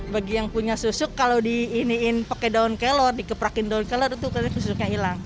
bagi yang punya susuk kalau diiniin pakai daun kelor dikeprakin daun kelor itu susuknya hilang